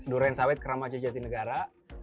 dprd durensawet kramaca jatinegara